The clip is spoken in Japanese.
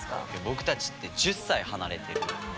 僕たちって１０歳離れてる。